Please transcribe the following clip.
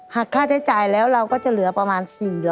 หากค่าใช้จ่ายแล้วเราก็จะเหลือประมาณ๔๐๐